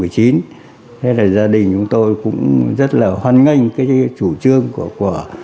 thế là gia đình chúng tôi cũng rất là hoan nghênh cái chủ trương của